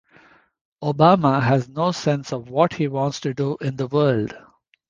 Obama has no sense of what he wants to do in the world.